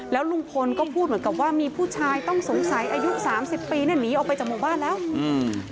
แล้วลุงพลก็พูดเหมือนกับว่ามีผู้ชายต้องสงสัยอายุสามสิบปีเนี้ยหนีออกไปจากหมู่บ้านแล้วอืม